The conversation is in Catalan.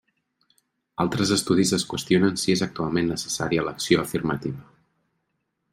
Altres estudis es qüestionen si és actualment necessària l'acció afirmativa.